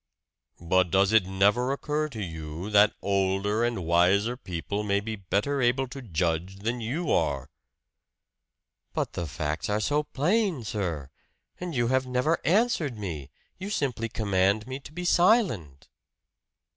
"But does it never occur to you that older and wiser people may be better able to judge than you are?" "But the facts are so plain, sir! And you have never answered me! You simply command me to be silent!"